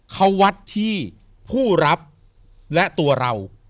เขาวัดที่ผู้รับและตัวเรา